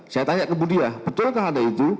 saya tanya ke budia betul nggak ada itu